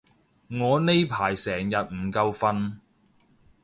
我呢排成日唔夠瞓